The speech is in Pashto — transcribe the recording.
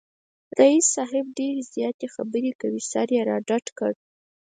رییس صاحب ډېرې زیاتې خبری کوي، سر یې را ډډ کړ